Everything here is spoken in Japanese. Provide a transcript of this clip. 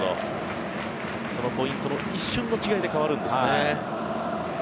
そのポイントの一瞬の違いで変わるんですね。